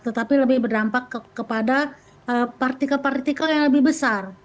tetapi lebih berdampak kepada partikel partikel yang lebih besar